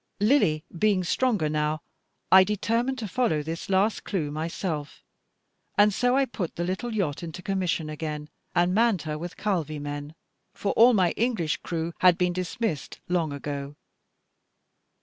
Lily being stronger now, I determined to follow this last clue myself; and so I put the little yacht into commission again, and manned her with Calvi men, for all my English crew had been dismissed long ago.